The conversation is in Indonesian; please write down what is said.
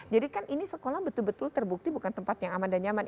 jadi kan ini sekolah betul betul terbukti bukan tempat yang aman dan nyaman